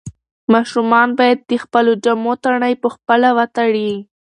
ماشومان باید د خپلو جامو تڼۍ پخپله وتړي.